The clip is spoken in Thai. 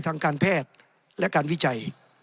ในทางปฏิบัติมันไม่ได้